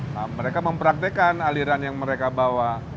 nah mereka mempraktekan aliran yang mereka bawa